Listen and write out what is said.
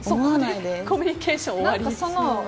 コミュニケーション終わり。